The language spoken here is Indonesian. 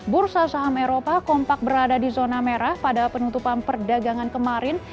bursa saham eropa kompak berada di zona merah pada penutupan perdagangan kemarin